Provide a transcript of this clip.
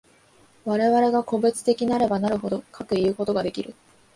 我々が個物的なればなるほど、かくいうことができる。